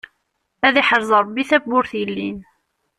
Ad iḥrez Rebbi tawwurt yellin.